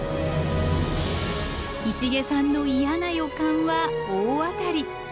市毛さんの嫌な予感は大当たり。